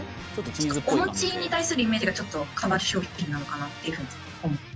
おもちに対するイメージがちょっと変わる商品なのかなっていう風に思ってます。